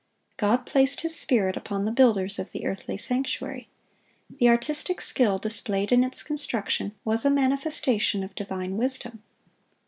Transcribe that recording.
God placed His Spirit upon the builders of the earthly sanctuary. The artistic skill displayed in its construction was a manifestation of divine wisdom.